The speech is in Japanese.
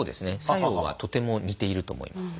作用はとても似ていると思います。